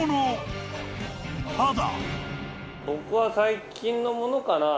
［ただ］